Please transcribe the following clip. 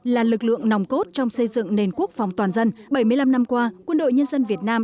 là lực lượng nòng cốt trong xây dựng nền quốc phòng toàn dân bảy mươi năm năm qua quân đội nhân dân việt nam